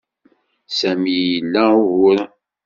Sami yella ila uguren.